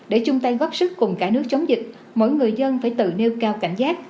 để chúng ta góp sức cùng cả nước chống dịch mỗi người dân phải tự nêu cao cảnh giác